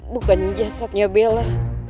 bukan jasadnya bella